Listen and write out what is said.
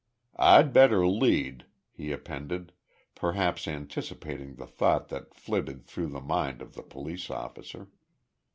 "I'd better lead," he appended, perhaps anticipating the thought that flitted through the mind of the police officer.